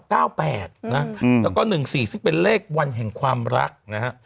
แล้วก็๑๔ซึ่งเป็นเลขวันแห่งความรักนะฮะ